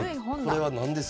これは何ですか？